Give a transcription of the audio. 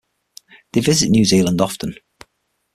They visit New Zealand often.